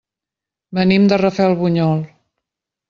Venim de Rafelbunyol.